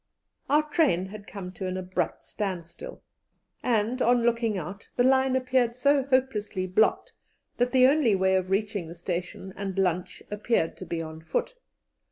Our train had come to an abrupt standstill, and, on looking out, the line appeared so hopelessly blocked that the only way of reaching the station and lunch appeared to be on foot.